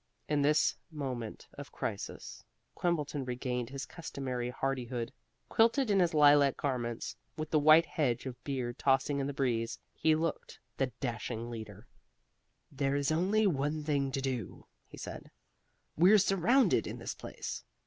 In this moment of crisis Quimbleton regained his customary hardihood. Quilted in his lilac garments, with the white hedge of beard tossing in the breeze, he looked the dashing leader. "There's only one thing to do," he said. "We're surrounded in this place.